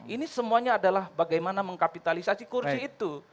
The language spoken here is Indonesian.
ini semuanya adalah bagaimana mengkapitalisasi kursi itu